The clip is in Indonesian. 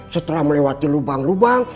setelah melewati lubang lubang